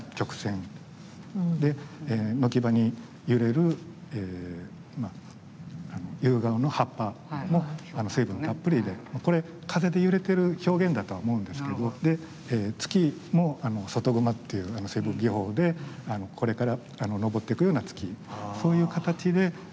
で軒端に揺れる夕顔の葉っぱも水分たっぷりでこれ風で揺れてる表現だとは思うんですけどで月も外隈っていう技法でこれから昇っていくような月そういう形で描き分けてますよね。